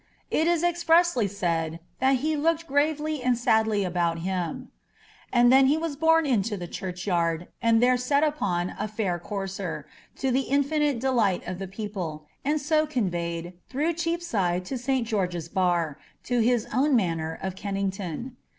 It is expressly said, ^^ that he looked gravely and sadly about him.^' And then he was borne into the churchyard, and there set upon a &ir courser, to the infinite delight of the people, and so conveyed, through Cheapside to St. George's Bar, to his own manor of Kenning ton.